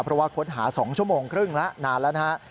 เพราะว่าค้นหา๒ชั่วโมงครึ่งแล้วนานแล้วนะฮะ